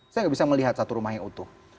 saya nggak bisa melihat satu rumah yang utuh